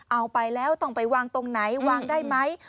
เอาไปแล้วต้องไปวางตรงไหนวางได้ไหม